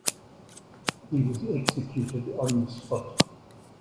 He was executed on the spot.